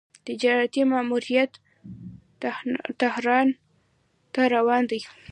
تجارتي ماموریت تهران ته روان دی.